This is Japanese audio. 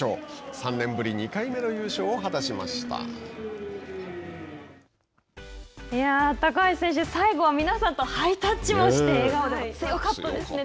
３年ぶり、２回目の高橋選手、最後は皆さんとハイタッチもして、笑顔でよかったですね。